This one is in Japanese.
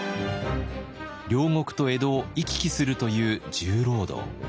領国と江戸を行き来するという重労働。